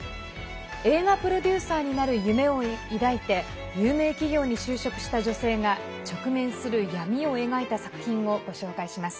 映画プロデューサーになる夢を抱いて有名企業に就職した女性が直面する闇を描いた作品をご紹介します。